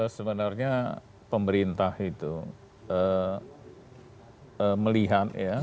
sebenarnya pemerintah itu melihat ya